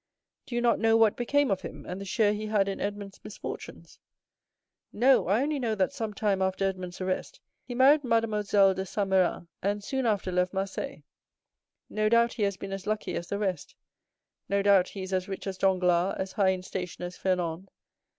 "Do you not know what became of him, and the share he had in Edmond's misfortunes?" "No; I only know that some time after Edmond's arrest, he married Mademoiselle de Saint Méran, and soon after left Marseilles; no doubt he has been as lucky as the rest; no doubt he is as rich as Danglars, as high in station as Fernand.